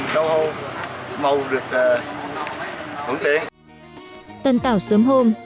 đau hô màu được hưởng tiện tân tạo sớm hôm